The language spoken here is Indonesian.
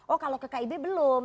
oh kalau ke kib belum